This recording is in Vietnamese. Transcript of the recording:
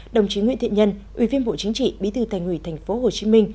đồng chí nguyễn thiện nhân ủy viên bộ chính trị bí thư thành hủy thành phố hồ chí minh